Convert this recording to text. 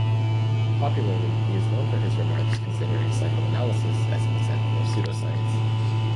Popularly, he is known for his remarks considering psychoanalysis as an example of pseudoscience.